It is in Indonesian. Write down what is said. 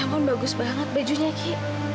yang kan bagus banget bajunya ki